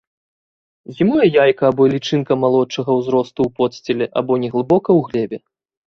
Зімуе яйка або лічынка малодшага ўзросту ў подсціле або неглыбока ў глебе.